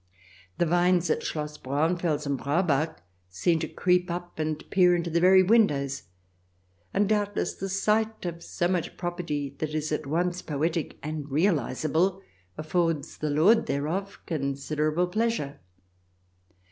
The vines at Schloss Braunfels and Braubach seem to creep up and peer into the very windows, and doubtless the sight of 298 THE DESIRABLE ALIEN [ch. xxi so much property that is at once poetic and realiz able affords the lord thereof considerable pleasure.